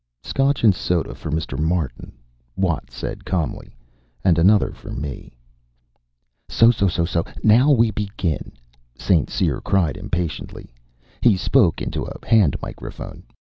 "Scotch and soda for Mr. Martin," Watt said calmly. "And another for me." "So, so, so, now we begin," St. Cyr cried impatiently. He spoke into a hand microphone.